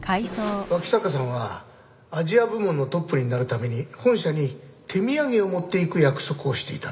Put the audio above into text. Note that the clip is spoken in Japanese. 脇坂さんはアジア部門のトップになるために本社に手土産を持っていく約束をしていたんです。